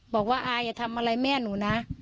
บอกว่าอาอย่าทำอะไรแม่หนูนะ